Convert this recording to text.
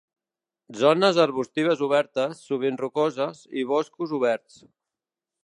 Zones arbustives obertes, sovint rocoses, i boscos oberts.